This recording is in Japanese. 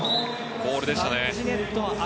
ボールでしたね。